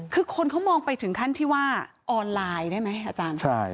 คือคนเขามองไปถึงขั้นที่ว่าออนไลน์ได้ไหมอาจารย์